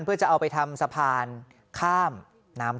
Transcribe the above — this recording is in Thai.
เพื่อจะเอาไปทำสะพานข้ามน้ำ